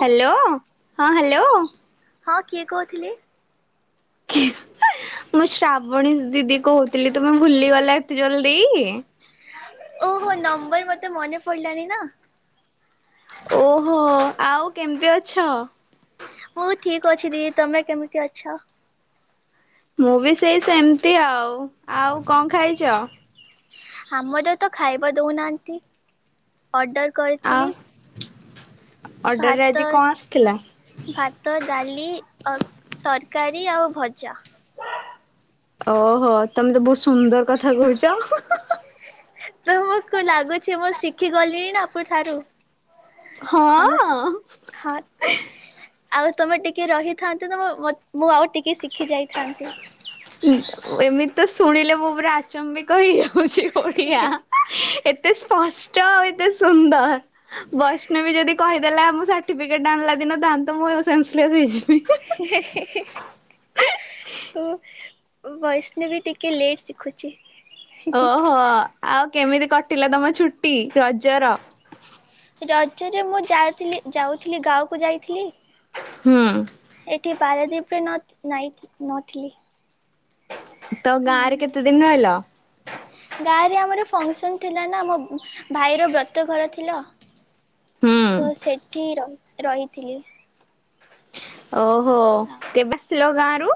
Hello ହଁ hello. ହଁ କିଏ କହୁଥିଲେ? ମୁଁ ଶ୍ରାବଣୀ ଦିଦି କହୁଥିଲି ତୁମେ ଭୁଲିଗଲ ଏତେ ଜଲଦି? ଓହୋ ନମ୍ବର ମତେ ମନେ ପଡିଲାନି ନା। ଓହୋ ଆଉ କେମିତି ଅଛ? ମୁଁ ଠିକ ଅଛି ଦିଦି ତମେ କେମିତି ଅଛ? ମୁଁ ବି ସେଇ ସେମିତି ଆଉ ଆଉ କଣ ଖାଇଛ? ଆମର ତ ଖାଇବା ଦଉନାଆନ୍ତି ଅର୍ଡର ଆଉ କରିଥିଲି। ଅର୍ଡରରେ ଭାତ ଆଜି କଣ ଆସିଥିଲା? ଭାତ, ଡାଲି, ତରକାରୀ ଆଉ ଭଜା। ଓହୋ ତମେ ତ ବହୁତ ସୁନ୍ଦର କଥା କହୁଛ। ତମକୁ ଲାଗୁଛି ମୁଁ ଶିଖି ଗଲିଣି ନା ଆପଣ ଠାରୁ? ଆମ ହଁ। ହଁ ଆଉ ତମେ ଟିକେ ରହିଥାନ୍ତେ ତମ ମୁଁ ଆଉ ଟିକେ ଶିଖି ଯାଇଥାନ୍ତି। ଏମିତି ତ ଶୁଣିଲେ ମୁ ପୁରା ଆଚମ୍ବିକ ହେଇଯାଉଛି ଓଡିଆ। ଏତେ ସ୍ପଷ୍ଟ ଆଉ ଏତେ ସୁନ୍ଦର। ବୈଷ୍ଣବୀ ଯଦି କହିଦେଲା ଆମ ସାର୍ଟିଫିକେଟ୍ ଆଣିଲା ଦିନ ତାହେଲେ ତ ମୁଁ ସେନ୍ସଲେସ ହେଇଯିବି। [inaudible] ଓ ଓ ବୈଷ୍ଣବି ଟିକେ ଲେଟ୍ ଶିଖୁଛି। ଓହୋ ଆଉ କେମିତି କଟିଲା ତମ ଛୁଟି ରଜର? ରଜରେ ମୁଁ ଯାଇଥିଲି ଯାଉଥିଲି ଗାକୁ ଯାଇଥିଲି। ହୁଁ ଏଠି ପାରାଦୀପ ନ ନାଇ ନଥିଲି। ତ ଗାଁରେ ହଁ କେତେ ଦିନ ରହିଲ? ଗାଁ ରେ ଆମର ଫଙ୍କସନ ଥିଲା ନା ଆମ ଭାଇର ବ୍ରତ ଘର ଥିଲ। ହୁଁ ତ ସେଠି ର ରହିଥିଲି। ଓ କେବେ ଆଉ ଆସିଲ ଗାଁ ରୁ?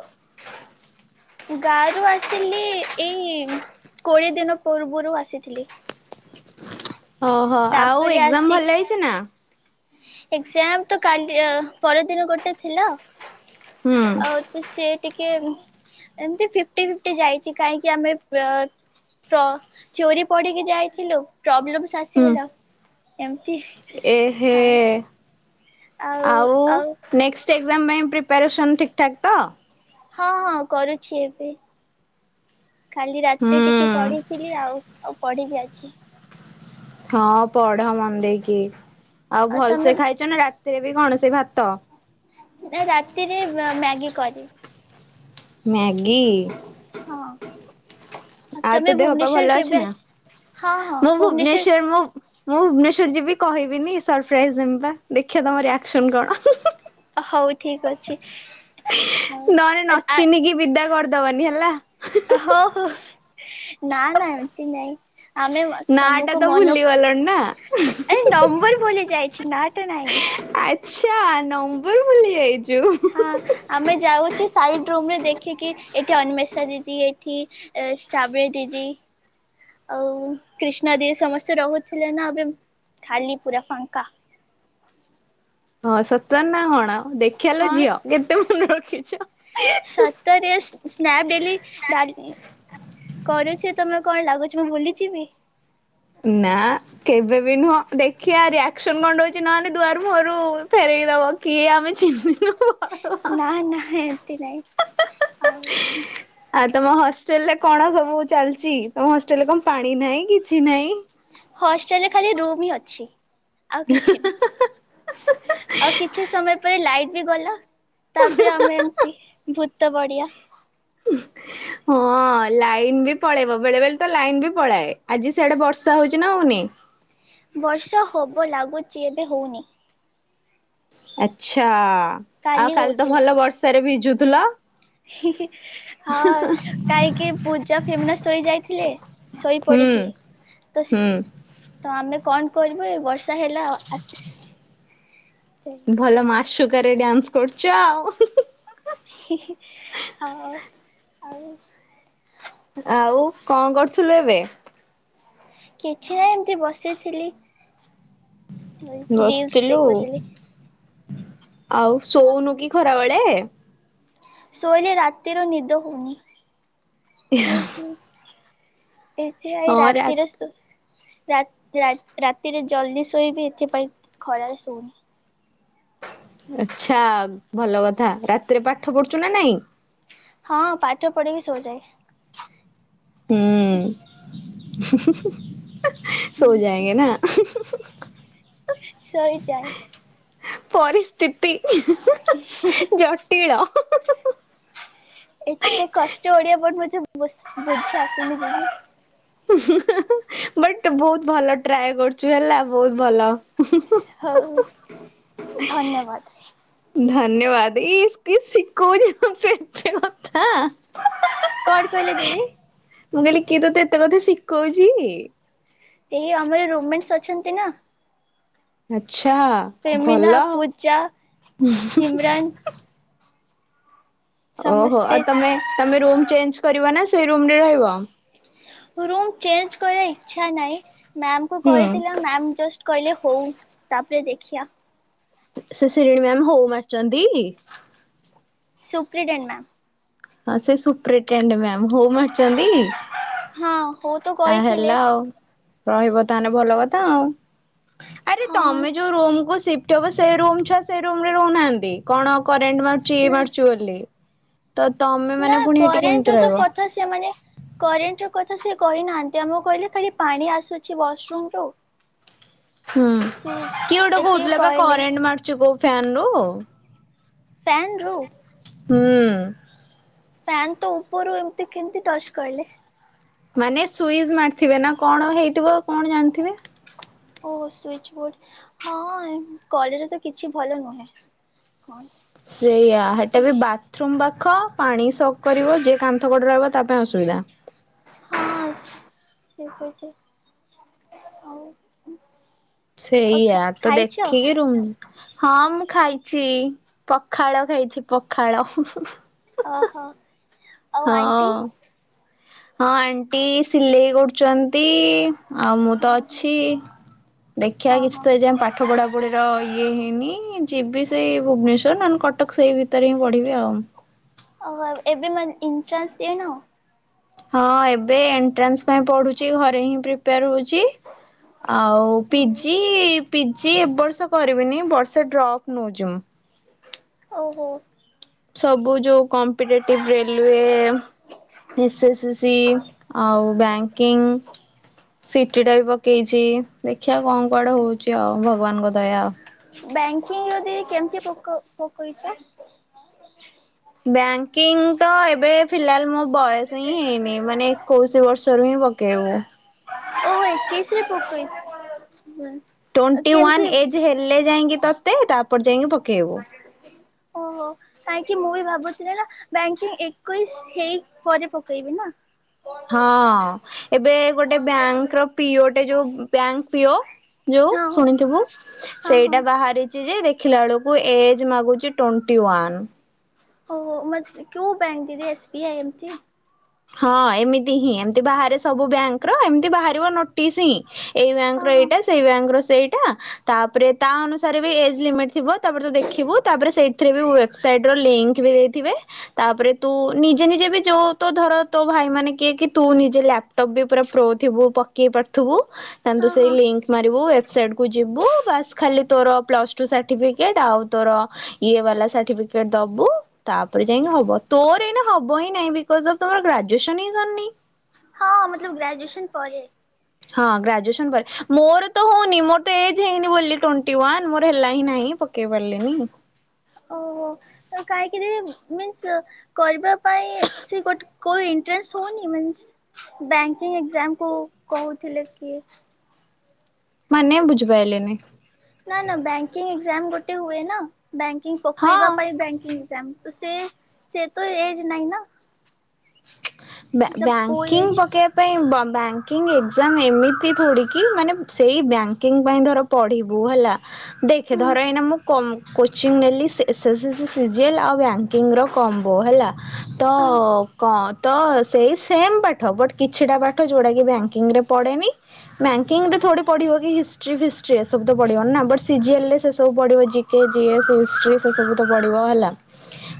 ଗାରୁ ଆସିଲି ଏଇ କୋଡ଼ିଏ ଦିନ ପୂର୍ବୁରୁ ଆସିଥିଲି। ଓହୋ ଆଉ ତାପରେ ଏକ୍ଜାମ ଭଲ ହେଇଛି ନା? ଏକଜ୍ଜାମ୍ ତ କାଲି ପରଦିନ ଗୋଟେ ଥିଲା। ହୁଁ ଆଉ ଛି ସେ ଟିକେ ଏମତି ଫିଫ୍ଟି ଫିଫ୍ଟି ଯାଇଛି କାହିଁକି ଆମେ ପ ଷ୍ଟୋରି ପଢ଼ିକି ଯାଇଥିଲୁ, ପ୍ରୋବ୍ଲେମ୍ ହୁଁ ଆସିଗଲା। ଏମିତି ଏହେ ଆଉ ଆଉ? ନେକ୍ସଟ ଏକ୍ଜାମ ପାଇଁ ପ୍ରିପାରେସନ୍ ଠିକ୍ ଠାକ୍ ତ? ହଁ ହଁ କରୁଛି ଏବେ, କାଲି ରାତିରେ ଟିକେ ହୁଁ ପଢିଥିଲି ଆଉ ଆଉ ପଢିବି ଆଜି। ହଁ ପଢ ମନ ଦେଇକି। ଆଉ ଭଲସେ ଖାଇଛ ନା ରାତିରେ ବି କଣ ସେ ଭାତ? ନା ରାତିରେ ମ୍ୟାଗି କରିବି। ମ୍ୟାଗି ହଁ। ଆଉ ତମେ ତ ଦେହ ପା ଭଲ ଭୁବନେଶ୍ଵର ଅଛି କେବେ ନା? ଆସି ହଁ ହଁ ମୁଁ ଭୁବନେଶ୍ଵର ମୁଁ ମୁଁ ଭୁବନେଶ୍ୱର ଯିବି କହିବିନି, ସରପ୍ରାଇଜ୍ ଦେମି ପା। ଦେଖିବା ତମ ରିଆକ୍ସନ କଣ? ହଉ ଠିକ ଅଛି। ହଉ ନହେଲେ ନଚିନ୍ହିକି ବିଦା କରିଦବନି ହେଲା। ହଁଉ ନା ନା ଏମିତି ନାଇଁ। ଆମେ ନା ଟା ତମକୁ ତ ମନ, ଭୁଲି ଗଲଣି ନା ଆରେ ନମ୍ବର ଭୁଲି ଯାଇଛି, ନାଁ ଟା ନାହିଁ। ଆଚ୍ଛା ନମ୍ବର ଭୁଲି ଯାଇଛୁ। ହଁ ଆମେ ଯାଉଛୁ ସାଇଡ଼୍ ରୁମ ରେ ଦେଖିକି ଏଠି ଅନ୍ମେଷା ଦିଦି ଏଠି ଷ୍ଟ୍ରାବେରି ଦିଦି ଆଉ କ୍ରିଷ୍ଣା ଦି ସମସ୍ତେ ରହୁଥିଲେ ନା, ଏବେ ଖାଲି ପୁରା ଫାଙ୍କା। ହଁ ସତରେ ନା କଣ ଆଉ, ଦେଖୀୟା ଲୋ ହଁ ଝିଅ କେତେ ମନେ ରଖିଛ। ତ ଟିକେ ସ୍ନାପ୍ ଡେଲି ତ କରୁଛି ତମେ କଣ ଲାଗୁଛ ମୁଁ ଭୁଲିଯିବି? ନା। କେବେ ବି ନୁହଁ, ଦେଖିଆ ରିଆକ୍ସନ କଣ ରହୁଛି ନହଲେ ଦୁଆରୁ ମୁହଁରୁ ଫେରେଇ ଦବ। କିଏ ଆମେ ଚିନ୍ହିନୁ ନା ନା ଏମିତି ନାଇଁ। ଆଉ। ଆଉ ତମ ହଷ୍ଟେଲ ରେ କଣ ସବୁ ଚାଲିଛି? ତମ ହଷ୍ଟେଲରେ କଣ ପାଣି ନାହିଁ କିଛି ନାହିଁ। ହଷ୍ଟେଲରେ ଖାଲି ରୁମ ହିଁ ଅଛି ଆଉ କିଛି ନାହିଁ। ଆଉ କିଛି ସମୟ ପରେ ଲାଇଟ୍ ବି ଗଲା ତାପରେ ଆମେ ଏମତି ଭୂତ ବଢ଼ୀଆ [inaudible] ହଁ ଲାଇନ ବି ପଳେଇବ। ବେଳେ ବେଳେ ତ ଲାଇନ ବି ପଳାଏ। ଆଜି ସେଆଡେ ବର୍ଷା ହଉଛି ନା ହଉନି? ବର୍ଷା ହବ ଲାଗୁଛି ଏବେ ହୋଉନି। ଆଛା ଆଉ କାଲି ତ ଭଲ ବର୍ଷାରେ ଭିଜୁଥିଲ? ହି ହି ହଁ କାହିଁକି ପୂଜା, ଫେମିନା ଶୋଇ ଯାଇଥିଲେ ଶୋଇ ହୁଁ ପଡିଥିଲେ ତ ହୁଁ ତ ଆମେ କଣ କରିବୁ ଏ ବର୍ଷା ହେଲା [inaudible] ଭଲ ମାସୁକାରେ ଡ୍ୟାନ୍ସ କରୁଛ ଆଉ। ଆଉ। ଆଉ କଣ କରୁଥିଲୁ ଏବେ? କିଛି ନାଁ ଏମିତି ବସିଥିଲି। ହ ରିଲସ ବସିଥିଲୁ ଦେଖୁଥିଲି। ଆଉ ଶୋଉନୁ ହଁ। କି ଖରାବେଳେ? ଶୋଇଲେ ରାତିରେ ନିଦ ହଉନି। ଦେଖିଆ ଏଇ ହଁ ରା ରାତିିର ସୋ ରା ରା ରାତିରେ ଜଲ୍ଦି ଶୋଇବି ଏଥିପାଇଁ ଖରାରେ ଶୋଉନି। ଆଛା ଭଲ କଥା ରାତିରେ ପାଠ ପଢୁଛୁ ନା ନାଇଁ? ହଁ ପାଠ ପଢି କି ଶୋଇଯାଏ। ହଁ ଶୋଇଯାଏ ସୋଯାଏଙ୍ଗେ ନା। ଶୋଇଯାଏ। ପରିସ୍ଥିତି ଜଟିଳ। ଏତେ କଷ୍ଟ ଓଡିଆ ପଡିବ ମତେ ବୁଝି ଆସୁନି ଦିଦି। ବଟ ବହୁତ ଭଲ ଟ୍ରାଏ କରୁଛୁ ହେଲା ବହୁତ ଭଲ। ହଉ ଧନ୍ୟବାଦ। ଧନ୍ୟବାଦ ଇସ କିଏ ସିଖାଉଛି ତତେ ଏତେ କଥା? କଣ କହିଲେ ଦିଦି? ମୁଁ କହିଲି କିଏ ତତେ ଏତେ କଥା ଶିକଉଚି? ଏଇ ଆମର ରୁମମେଣ୍ଟସ୍ ଅଛନ୍ତି ନା ଆଛା ଫେମିନା ଭଲ। ପୂଜା ସିମରାନ୍ ଓହୋ ସମସ୍ତେ ଆଉ ତମେ ତମେ ରୁମ୍ ଚେଞ୍ଜ କରିବ ନା ସେଇ ରୁମରେ ରହିବ? ରୁମ୍ ଚେଞ୍ଜ କରିବା ଇଚ୍ଛା ନାହିଁ ମ୍ୟାମକୁ ହୁଁ କହିଥିଲା ମ୍ୟାମ ଜଷ୍ଟ କହିଲେ ହଉ ତାପରେ ଦେଖିବା। ସେ ଶିରିଣୀ ମ୍ୟାମ ହଉ ମାରିଛନ୍ତି। ସୁପ୍ରିଡିନ୍ ମ୍ୟାମ୍। ହଁ ସେ ସୁପ୍ରିକ୍ୟାଣ୍ଡ ମ୍ୟାମ୍ ହଉ ମାରିଛନ୍ତି? ହଁ। ହଉ ତ ଆ ହେଲା କହିଥିଲେ ଆଉ ରହିବ ତାହେଲେ ଭଲ କଥା ଆଉ। ଆରେ ହଁ ତମେ ଯୋଉ ରୁମକୁ ସିଫ୍ଟ ଫ୍ଟ ହେବ ସେ ରୁ ଛୁଆ ସେ ରୁମରେ ରହୁନାହାନ୍ତି କଣ କରେଣ୍ଟ ମାରୁଛି ନା ମାରୁଛି ବୋଲି। ତ ତମେ ନା ମାନେ ପୁଣି ଏଠି କରେଣ୍ଟ ର କେମିତି ରହିବ? କଥା ତ ସେମାନେ କରେଣ୍ଟ ର କଥା ସେ କହିନାହାନ୍ତି ଆମକୁ କହିଲେ ଖାଲି ପାଣି ଆସୁଛି ୱଶରୁମ ରୁ ହୁଁ ସେ କିଏ ଗୋଟେ ଏତିକି କହୁଥିଲା ବା କହିଲେ କରେଣ୍ଟ ମାରୁଚି କୋଉ ଫ୍ୟାନରୁୁ ଫ୍ୟାନରୁ ହୁଁ। ଫ୍ୟାନ ତ ଉପରୁ ଏମିତି କେମତି ଟଚ କହିଲେ? ମାନେ ସୁଇସ୍ ମାରିଥିବେ ନା କଣ ହେଇଥିବ କଣ ଜାଣିଥିବେ? ଓ ସୁଇଚ ବୋର୍ଡ ହଁ କଲେଜରେ ତ କିଛି ଭଲ ନୁହେଁ। କଣ? ସେଇଆ ସେଟା ବି ବାଥରୁମ ପାଖ ପାଣି ସକ୍ କରିବ ଯିଏ କାନ୍ଥ କଡରେ ରହିବ ତା ପାଇଁ ଅସୁବିଧା। ଠିକ୍ କହିଚ ଆଉ ଆଉ ସେଇଆା ତ ଖାଇଛ ଦେଖିକି ରୁମ୍ ହଁ ମୁଁ ଖାଇଛି ପଖାଳ ଖାଇଛି ପଖାଳ ହୁଁ ହୁଁ ଓ ହୋ ହଁ ହଁ ଆଣ୍ଟି ସିଲେଇ କରୁଛନ୍ତି। ଆଉ ମୁଁ ହଁ ତ ହଁ ଅଛି ଦେଖିଆ ହଁ କିଛି ହଁ ତ ଏ ଯାଏ ପା ପାଠ ପଢାପଢିର ଇଏ ହେଇନି ଯିବି ସେଇ ଭୁବନେଶ୍ୱର ନହେଲେ କଟକ ସେଇ ଭିତରେ ହିଁ ପଢିବି ଆଉ। ଓହୋ। ଏବେ ମାନେ ଇଣ୍ଟ୍ରାନ୍ସ ଦେଇନ? ହଁ ଏବେ ଏଣ୍ଟ୍ରାନ୍ସ ପାଇଁ ପଢୁଚି। ଘରେ ହିଁ ପ୍ରିପେୟାର ହଉଚି। ଆଉ ପିଜି ପିଜି ଏବର୍ଷ କରିବିନି ବର୍ଷେ ଡ୍ରପ୍ ନଉଚି ମୁଁ। ଓହୋ। ସବୁ ଯୋଉ କମ୍ପିଟେଟିଭ ରେଲୱେ ଏସେସି ଆଉ ବ୍ୟାଙ୍କିଙ୍ଗ ସିଟି ଟା ବି ପକେଇଚି ଦେଖିଆ କଣ କୁଆଡେ ହଉଚି ଆଉ ଭଗବାନଙ୍କ ଦୟା। ବ୍ୟାଙ୍କିଙ୍ଗ ଯଦି କେମତି ପକ ପକେଇଚ? ବ୍ୟାଙ୍କ କିଙ୍ଗ ତ ଏବେ ଫିଲାଲ ମୋ ବୟସ ହିଁ ହେଇନି। ମାନେ ଏକୋଇଶି ବର୍ଷରୁ ହିଁ ପକେଇବୁ। ଓ ହୋ ଏକେଇଶିରେ ପକେଇ ଟ୍ୱେଣ୍ଟି ୱାନ୍ କେମିତି ଏଜ୍ ହେଲେ ଯାଇଁକି ତତେ ତାପରେ ଯାଇଁକି ପକେଇବୁ। ଓହୋ। କାଇଁକି ମୁଁ ବି ଭାବୁଥିଲି ନା ବ୍ୟାଙ୍କିଙ୍ଗ ଏକୋଇଶ ହେଇ ପରେ ପକେଇବି ନା। ହଁ। ଏବେ ଗୋଟେ ବ୍ୟାଙ୍କର ପିଓଟେ ଯୋଉ ବ୍ୟାଙ୍କ ପିଓ ଯୋଉ ହଁ ଶୁଣିଥିବୁ। ହଁ ହଁ। ସେଇଟା ବାହାରିଚି ଯେ ଦେ ଖିଲା ବେଳୁକୁ ଏଜ୍ ମାଗୁଚି ଟୋଣ୍ଟି ୱାନ୍। ଓହୋ ମତ୍ କୋଉ ବ୍ୟାଙ୍କ [unintelligible] ଏସ୍ ବି ଆଇ ଏମତି। ହଁ ଏମିତି ହିଁ। ଏମତି ବାହାରେ ସବୁ ବ୍ୟାଙ୍କ ର ଏମିତି ବାହାରିବ ନୋଟିସ୍। ଏଇ ବ୍ୟାଙ୍କ ହଁ ର ହଁ ଏଇଟା ସେଇ ବ୍ୟାଙ୍କ ର ସେଇଟା। ତାପରେ ତା ଅନୁସାରେ ବି ଏଜ୍ ଲିମିଟ୍ ଥିବ ତାପରେ ତୁ ଦେଖିବୁ ତାପରେ ସେଇଥିରେ ବି ହୁଏ। ସାଇଟ୍ ର ଲିଙ୍କ୍ ବି ଦେଇଥିବେ, ତାପରେ ତୁ ନିଜେ ନିଜେ ବି ଯୋଉ ତୋ ଧର ତୋ ଭାଇମାନେ କିଏ କି ତୁ ନିଜେ ଲାପଟପ୍ ବି ପୁରା ପ୍ରୋ ଥିବୁ ପକେଇ ପାରୁଥିବୁ ତାହେଲେ ତୁ ହଁ ସେଇ ହଁ। ଲିଙ୍କ୍ ମାରିବୁ ୱେବସାଇଟ୍ କୁ ଯିବୁ ବାସ୍ ଖାଲି ତୋର ପ୍ଲସଟୁ ସାର୍ଟିଫିକେଟ୍ ଆଉ ତୋର ଇଏ ବାଲା ସାର୍ଟିଫିକେଟ୍ ଦବୁ ତାପରେ ଯାଇକି ହବ। ତୋର ଏଇନେ ହବ ହିଁ ନାହିଁ ବିକଜ୍ ଅଫ ତୋର ଗ୍ରାଜୁଏସନ୍ ହିଁ ସରିନି। ହଁ ମତଲବ୍ ଗ୍ରାଜୁଏସନ୍ ପରେ ହଁ ଗ୍ରାଜୁଏସନ୍ ପରେ। ମୋର ତ ହଉନି ମୋର ତ ଏଜ୍ ହେଇନି ବୋଲି ଟୋଣ୍ଟି ୱାନ୍ ମୋର ହେଲା ହିଁ ନାହିଁ। ପ ପକେଇପାରିଲିନି। ଓହୋ। ତ କାଇଁକି [unintelligible] ମିନ୍ସ କରିବା ପାଇଁ ସେ ଗୋଟେ କୋଉ ଇଣ୍ଟ୍ରାନ୍ସ ହଉନି ମିନ୍ସ ବ୍ୟାଙ୍କିଙ୍ଗ ଏକ୍ଜାମକୁ କହୁଥିଲେ କିଏ? ମାନେ ମୁଁ ବୁଝିପାଇଲିନି। ନା ନା ବ୍ୟାଙ୍କିଙ୍ଗ ଏଜ୍ଜାମ୍ ଗୋଟେ ହୁଏ ନା। ବ୍ୟାଙ୍କିଙ୍ଗ ପକେଇବା ହଁ। ପାଇଁ ବ୍ୟାଙ୍କିଙ୍ଗ ଏଜ୍ଜାମ୍। ତ ସେ ସେ ତ ଏଜ୍ ନାହିଁ ନା। ବ୍ଯା ମତଲବ କୋଉ ବ୍ୟାଙ୍କିଙ୍ଗ ଏଜ ପକେଇବା ପାଇଁ ବ ବ୍ୟାଙ୍କିଙ୍ଗ ଏଜ୍ଜାମ୍ ଏମିତି ଥୋଡ଼ିକି, ମାନେ ସେଇ ବ୍ୟାଙ୍କିଙ୍ଗ ପାଇଁ ଧର ପଢ଼ିବୁ ହେଲା। ଦେଖେ ହୁଁ ଧର ଏଇନା ମୁଁ କମ୍ କୋଚିଂ ନେଲି ଏ ସେ ସି ସି ଜି ଏଲ୍ ଆଉ ବ୍ୟାଙ୍କିଙ୍ଗର କମ୍ବୋ ହେଲା। ତ ହଁ କ ତ ସେଇ ସେମ୍ ପାଠ। ବଟ୍ କିଛିଟା ପାଠ ଯୋଉଟା କି ବ୍ୟାଙ୍କିଙ୍ଗରେ ପଡେନି। ବ୍ୟାଙ୍କିଙ୍ଗ ରେ ଥୋଡ଼ି ପଢ଼ିବ କି ହିଷ୍ଟ୍ରି ଫିଷ୍ଟ୍ରି ଏସବୁ ତ ପଡିବନି ନା। ବଟ୍ ସି ଜି ଏଲ୍ ରେ ସେ ସବୁ ପଡିବ G G K, G S, history ସେସବୁ ତ ପଡ଼ିବ ହେଲା।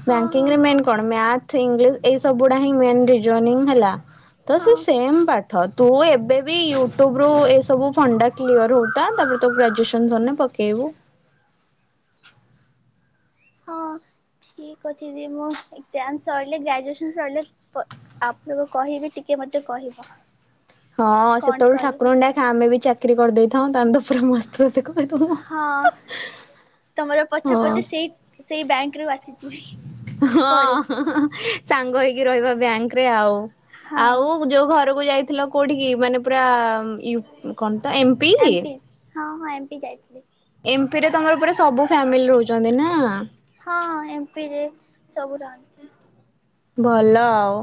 ହଁ ହଁ ବ୍ୟାଙ୍କିଙ୍ଗ ରେ ମେନ୍ କଣ ମ୍ୟାଥ୍, ଇଂଲିଶ ଏଇ ସବୁ ଗୁଡା। [unintelligible] ଜଏନିଙ୍ଗ୍ ହେଲା, ତ ହଁ ସେଇ ସେମ୍ ପା ଠ। ତୁ ଏବେ ବି ୟୁଟ୍ୟୁବ ରୁ ଏସବୁ ଫଣ୍ଡା ଟା କ୍ଲିୟର ହଉଥା। ତାପରେ ତୋ ଗ୍ରାଜୁଏସନ ସରିନେ ପକେଇବୁ। ହ [inaudible] ଠିକ୍ ଅଛି ଦିଦି, ମୋ ଏଜ୍ଜାମ୍ ସରିଲେ ଗ୍ରାଜୁଏସନ୍ ସରିଲେ ପ ଆପଣଙ୍କୁ କହିବି ଟିକେ ମତେ କହିବ। ହଁ କଣ ସେତେବେଳେ କରିବି ଠାକୁରଙ୍କୁ ଡାକେ ଆମେ ବି ଚାକିରି କରିଦେଇଥାଉ ତାହାନେ ତ ପୁରା ମସ୍ତ ରୂପେ କହିଦବ ହଁ ତମର ପଛେ ହଁ। ପଛେ ସେଇ ସେଇ ବ୍ୟାଙ୍କରୁୁ ବାଛିଚି। ହଁ ସାଙ୍ଗ ହେଇକି ରହିବା ବ୍ୟାଙ୍କରେ ଆଉ। ହଁ ଆଉ କୁ ଯୋଉ ଘରକୁ ଯାଇଥିଲ କୋଉଠିିକି ମାନେ ପୁରା ୟୁ କଣ ତ ଏମ ପି? ହଁ ହଁ ଏମ ପି ଯାଇଥିଲି। ଏମ ପି ରେ ତମର ପୁରା ସବୁ ଫ୍ୟାମିଲି ରହୁଛନ୍ତି ନା। ହଁ ଏମପି ରେ ସବୁ ରହନ୍ତି। ଭଲ ଆଉ।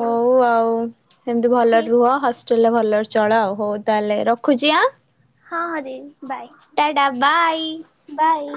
ହଉ ଆଉ ଏମିତି ଭଲରେ ରୁହ ହ ଚଲ୍ ରେ ଭଲରେ ଚଳ ଆଉ। ହଉ ତାହେଲେ ରଖୁଛି ଆଁ। ହଁ ହଁ ଦିଦି ta ta bye. Bye bye.